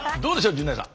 陣内さん。